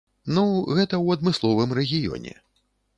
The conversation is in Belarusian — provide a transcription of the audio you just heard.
Ну, гэта ў адмысловым рэгіёне.